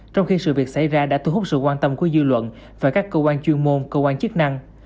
trong khi sự việc xảy ra đã thu hút sự quan tâm của dư luận và các cơ quan chuyên môn cơ quan chức năng